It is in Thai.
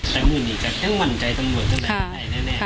แต่มือนี่ก็ยังมั่นใจตำรวจตำรวจอยู่ใด